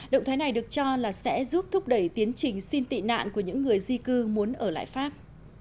động thái này được cho là sẽ giúp thúc đẩy tiến trình xin tị nạn của những người di cư muốn ở lại pháp